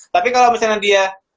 tapi kalau misalnya dia